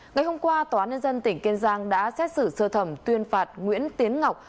ngày hôm qua tòa nhân dân tỉnh kiên giang đã xét xử sơ thẩm tuyên phạt nguyễn tiến ngọc